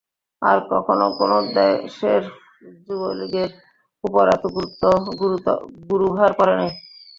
আর কখনও কোন দেশের যুবকদলের উপর এত গুরুভার পড়ে নাই।